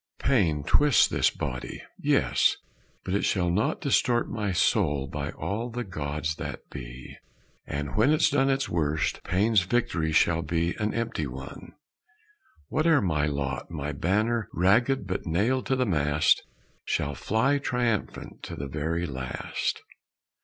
Pain twists this body? Yes, but it shall not Distort my soul, by all the gods that be! And when it's done its worst, Pain's victory Shall be an empty one! Whate'er my lot, My banner, ragged, but nailed to the mast, Shall fly triumphant to the very last!